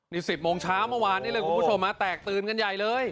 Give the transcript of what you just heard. นี่๑๐โมงเช้าเมื่อวานนี้เลยคุณผู้ชมแตกตื่นกันใหญ่เลย